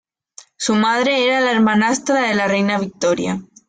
Su madre era la hermanastra de la reina Victoria.